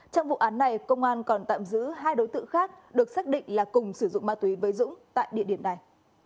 trong vụ án này công an còn tạm giữ hai đối tượng khác được xác định là cùng sử dụng ma túy với dũng tại địa điểm này